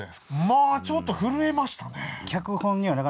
まあちょっと震えましたね。